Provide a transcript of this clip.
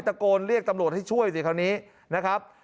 ตะโกนเรียกตำรวจให้ช่วยสิคราวนี้นะครับ